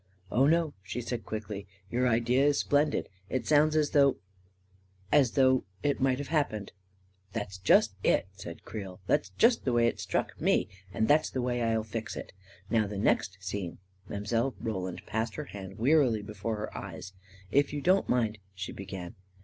" Oh, no," she said quickly. " Your idea is splen did. It sounds as though — as though — it might have happened I "" That's just itl " said Creel. " That's just the way it struck me — and that's the way I'll fix it. Now the next scene ..." Mile. Roland passed her hand wearily before her eyes. " If you do not mind," she began.